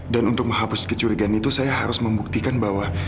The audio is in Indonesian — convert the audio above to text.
dan untuk menghapus kecurigaan itu saya harus membuktikan bahwa